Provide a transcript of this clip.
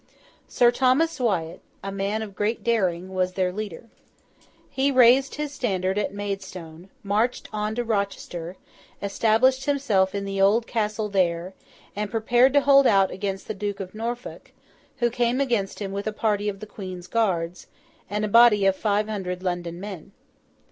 Sir Thomas Wyat, a man of great daring, was their leader. He raised his standard at Maidstone, marched on to Rochester, established himself in the old castle there, and prepared to hold out against the Duke of Norfolk, who came against him with a party of the Queen's guards, and a body of five hundred London men.